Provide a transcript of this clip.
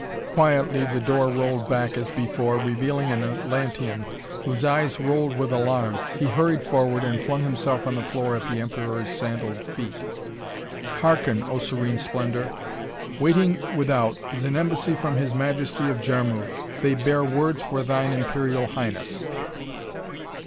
Quietly the door rolled back as before, revealing an Atlantean whose eyes rolled with alarm. He hurried forward and flung himself on the floor at the Emperor's sandaled feet. "Harken, oh Serene Splendor! Waiting without is an embassy from his Majesty of Jarmuth. They bear words for thine Imperial Highness."